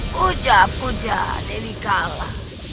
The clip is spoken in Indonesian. pujah pujah tewikala